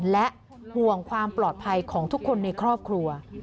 และห่วงความปลอดภัยของทุกคนในครอบครัว